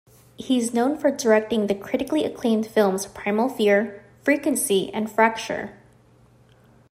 He is known for directing the critically acclaimed films "Primal Fear", "Frequency" and "Fracture".